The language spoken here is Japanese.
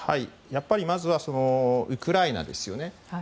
まずはウクライナですよね。